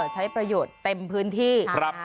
ใช้ประโยชน์เต็มพื้นที่